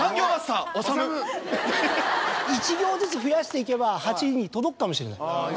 １行ずつ増やしていけば８に届くかもしれない。